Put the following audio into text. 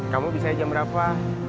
kamu bisa jam berapa